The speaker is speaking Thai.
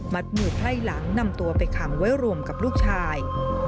มือไพร่หลังนำตัวไปขังไว้รวมกับลูกชาย